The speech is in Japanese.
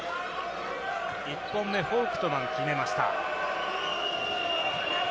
１本目、フォウクトマン、決めました。